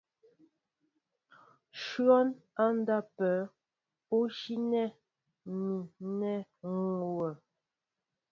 Shwɔ́n á ndápə̂ ú siŋɛ mi ánɛ̂ ŋ̀ hʉ́wɛ̂.